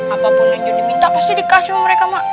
apapun yang jonny minta pasti dikasih sama mereka mak